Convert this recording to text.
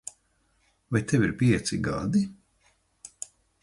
Vai tev ir pieci gadi?